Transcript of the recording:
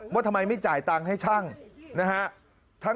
ว่าทำไมไม่จ่ายตังค์ให้ช่างนะฮะ